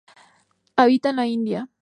Habita en la India.